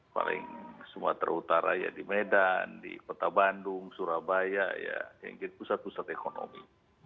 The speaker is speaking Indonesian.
paling sumatera utara ya di medan di kota bandung surabaya ya pusat pusat ekonomi